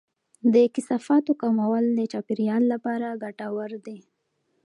د کثافاتو کمول د چاپیریال لپاره ګټور دی.